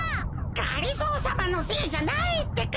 がりぞーさまのせいじゃないってか！